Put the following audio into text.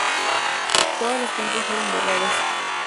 Todas las cuentas fueron borradas.